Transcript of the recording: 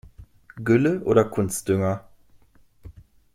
Gülle oder Kunstdünger?